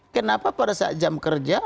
kenapa pada saat jam kerja